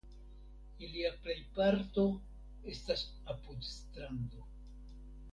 Ilia plejparto estas apud strando.